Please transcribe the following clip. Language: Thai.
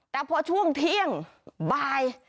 แต่พอช่วงเที่ยงบ่าย